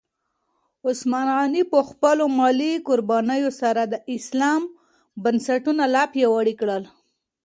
عثمان غني په خپلو مالي قربانیو سره د اسلام بنسټونه لا پیاوړي کړل.